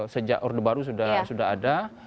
sejak orde baru sudah ada